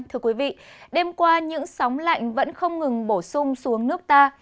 thưa quý vị đêm qua những sóng lạnh vẫn không ngừng bổ sung xuống nước ta